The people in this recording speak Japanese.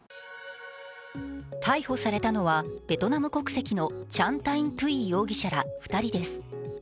逮捕されたのは、ベトナム国籍のチャン・タイン・トゥイ容疑者ら２人です。